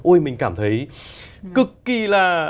ôi mình cảm thấy cực kỳ là